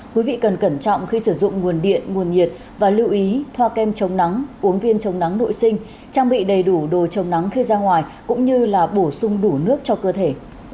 quý vị cần cẩn trọng khi sử dụng nguồn điện nguồn nhiệt và lưu ý thoa kem chống nắng uống viên chống nắng nội sinh trang bị đầy đủ đồ chống nắng khi ra ngoài cũng như là bổ sung đủ nước cho cơ thể